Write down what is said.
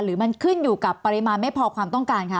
หรือมันขึ้นอยู่กับปริมาณไม่พอความต้องการคะ